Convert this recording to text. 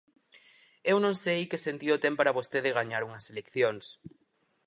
Eu non sei que sentido ten para vostede gañar unhas eleccións.